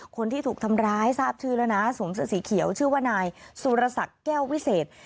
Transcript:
คนที่ถูกทำร้ายทราบชื่อแล้วนะสวมเสื้อสีเขียวชื่อว่านายสุรศักดิ์แก้ววิเศษ